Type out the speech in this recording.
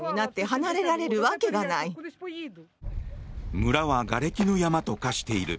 村はがれきの山と化している。